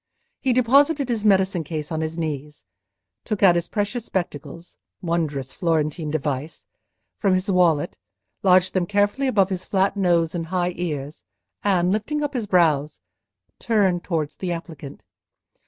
He deposited his medicine case on his knees, took out his precious spectacles (wondrous Florentine device!) from his wallet, lodged them carefully above his flat nose and high ears, and lifting up his brows, turned towards the applicant.